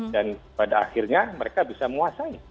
dan pada akhirnya mereka bisa menguasai